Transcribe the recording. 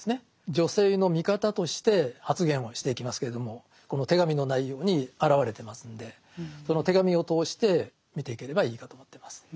女性の味方として発言をしていきますけれどもこの手紙の内容に表れてますんでその手紙を通して見ていければいいかと思ってます。